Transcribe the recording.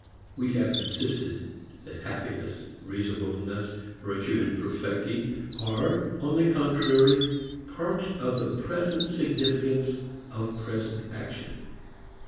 We have insisted that happiness, reasonableness, virtue, perfecting, are on the contrary parts of the present significance of present action.